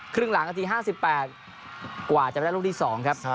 ครึ่งหลังนาที๕๘กว่าจะไม่ได้ลูกที่๒ครับ